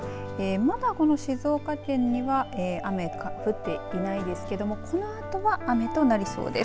まだ、静岡県には雨、降っていないですけどこのあとは雨となりそうです。